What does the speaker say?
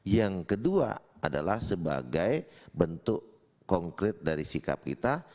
yang kedua adalah sebagai bentuk konkret dari sikap kita